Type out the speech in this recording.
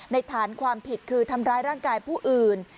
ฐานความผิดคือทำร้ายร่างกายผู้อื่น